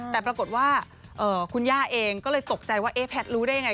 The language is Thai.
แต่ปรากฏว่าคุณย่าเองก็เลยตกใจว่าแพทย์รู้ได้ยังไง